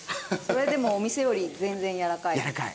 それでもお店より全然やわらかい。